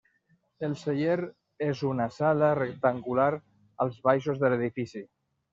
El celler és una sala rectangular als baixos de l'edifici.